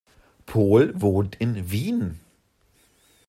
Pol wohnt in Wien.